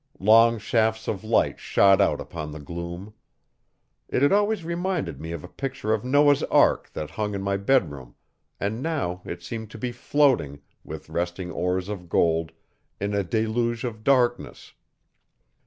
Long shafts of light shot out upon the gloom. It had always reminded me of a picture of Noah's ark that hung in my bedroom and now it seemed to be floating, with resting oars of gold, in a deluge of darkness.